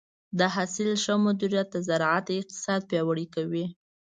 د حاصل ښه مدیریت د زراعت اقتصاد پیاوړی کوي.